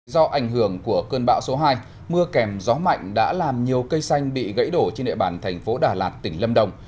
do ảnh hưởng của cơn bão số hai mưa kèm gió mạnh đã làm nhiều cây xanh bị gãy đổ trên địa bàn thành phố đà lạt tỉnh lâm đồng